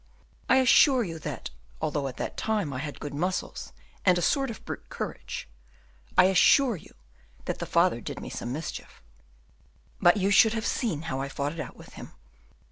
I assure you that, although at that time I had good muscles and a sort of brute courage I assure you that the father did me some mischief. But you should have seen how I fought it out with him.